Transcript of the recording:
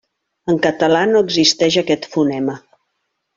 En català no existeix aquest fonema.